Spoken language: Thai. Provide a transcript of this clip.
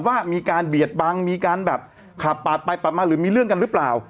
ว่ามีการเบียดบังมีการแบบขับปาดไปปาดมาหรือมีเรื่องกันหรือเปล่า